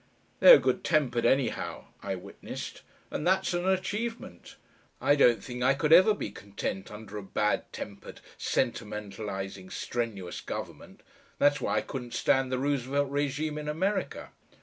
"They are good tempered, anyhow," I witnessed, "and that's an achievement. I don't think I could ever be content under a bad tempered, sentimentalism, strenuous Government. That's why I couldn't stand the Roosevelt REGIME in America.